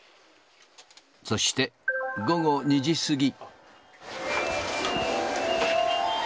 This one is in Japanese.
そして午後２時過ぎ。